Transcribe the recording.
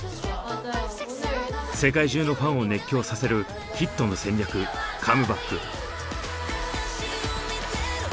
世界中のファンを熱狂させるヒットの戦略カムバック。